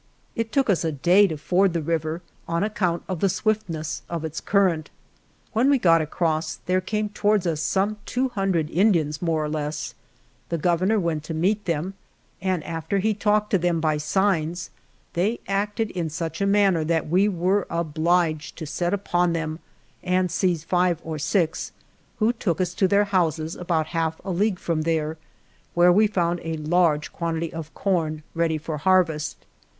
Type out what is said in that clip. It took us a day to ford the river on account of the swiftness of its cur rent. When we got across, there came to wards us some two hundred Indians, more or less; the Governor went to meet them, and after he talked to them by signs they acted in such a manner that we were obliged to set upon them and seize five or six, who took us to their houses, about half a league from there, where we found a large quan tity of corn ready for harvest.